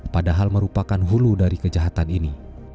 padahal merupakan hulu dari kejahatan ini